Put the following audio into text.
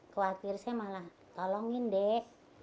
khawatir saya malah tolongin dek